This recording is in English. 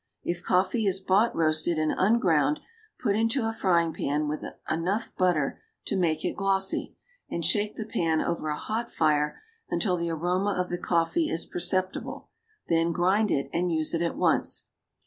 If coffee is bought roasted and unground, put into a frying pan with enough butter to make it glossy, and shake the pan over a hot fire until the aroma of the coffee is perceptible; then grind it, and use it at once.